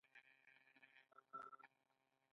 پوپی ګل نازکې پاڼې لري